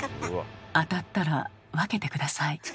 当たったら分けて下さい。